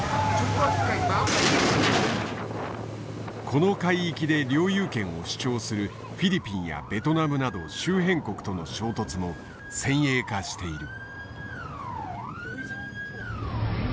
この海域で領有権を主張するフィリピンやベトナムなど周辺国との衝突も先鋭化している。